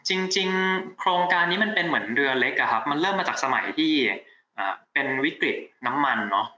จริงโครงการนี้มันเป็นเหมือนเรือเล็กอะครับมันเริ่มมาจากสมัยที่เป็นวิกฤตน้ำมันเนอะ